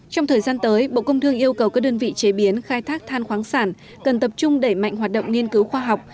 trong thời gian tới bộ công thương yêu cầu các đơn vị chế biến khai thác than khoáng sản cần tập trung đẩy mạnh hoạt động nghiên cứu khoa học